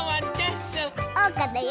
おうかだよ！